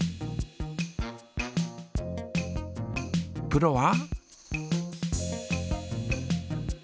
プロは？